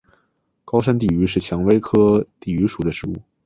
高山地榆是蔷薇科地榆属的植物。